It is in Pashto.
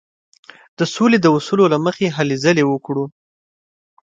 د سولې د اصولو له مخې هلې ځلې وکړو.